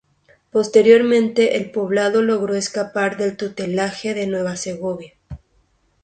Posteriormente el poblado logró escapar del tutelaje de Nueva Segovia.